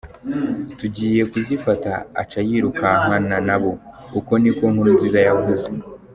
Tugiye kuzifata, aca yirukankana na bo," uko ni ko Nkurunziza yavuze.